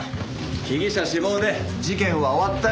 被疑者死亡で事件は終わったよ。